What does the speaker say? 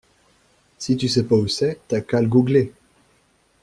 Si tu sais pas où c'est, t'as qu'à le googler.